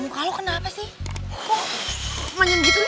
kok manjang gitu